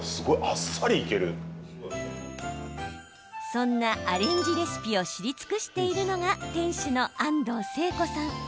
そんな、アレンジレシピを知り尽くしているのが店主の安藤成子さん。